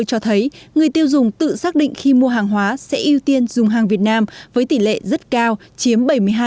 cho thấy người tiêu dùng tự xác định khi mua hàng hóa sẽ ưu tiên dùng hàng việt nam với tỷ lệ rất cao chiếm bảy mươi hai